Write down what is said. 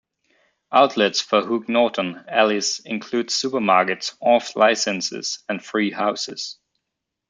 Outlets for Hook Norton ales include supermarkets, off licences and free houses.